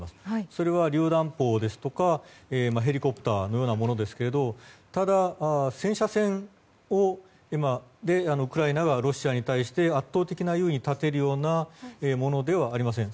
それはりゅう弾砲ですとかヘリコプターのようなものですけどただ、戦車戦でウクライナがロシアに対して圧倒的な優位に立てるようなものではありません。